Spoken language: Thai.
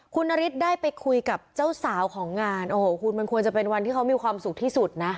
คุณนฤทธิ์ได้ไปคุยกับเจ้าสาวของงานโอ้โหคุณมันควรจะเป็นวันที่เขามีความสุขที่สุดนะ